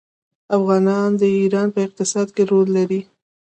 افغانان د ایران په اقتصاد کې رول لري.